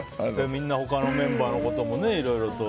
みんな、他のメンバーのこともいろいろと。